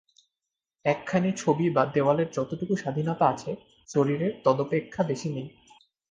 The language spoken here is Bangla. একখানি ছবি বা দেওয়ালের যতটুকু স্বাধীনতা আছে, শরীরের তদপেক্ষা বেশী নাই।